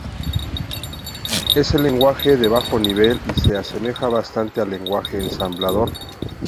Es un lenguaje de bajo nivel y se asemeja bastante al lenguaje ensamblador.